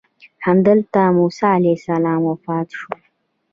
همدلته موسی علیه السلام وفات شو.